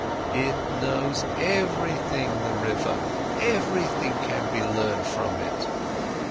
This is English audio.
It knows everything, the river, everything can be learned from it.